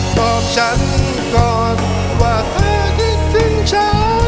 บอกฉันก่อนว่าเธอคิดถึงเธอ